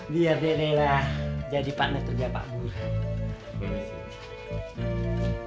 biar dede lah jadi pak netru dia pak burhan